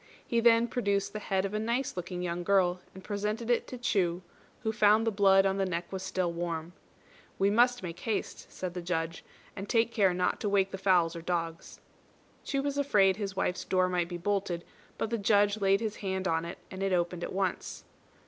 He then produced the head of a nice looking young girl, and presented it to Chu, who found the blood on the neck was still warm. "We must make haste," said the Judge, "and take care not to wake the fowls or dogs." Chu was afraid his wife's door might be bolted; but the Judge laid his hand on it and it opened at once.